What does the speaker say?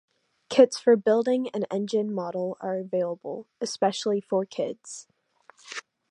Kits for building an engine model are available, especially for kids.